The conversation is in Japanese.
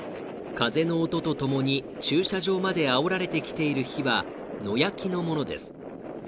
風の音とともに駐車場まであおられてきている火は、野焼きのものです。